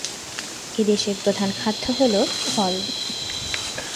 এদের প্রধান খাদ্য হল ফল।